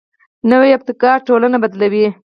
نوی ابتکار ټولنه بدلوي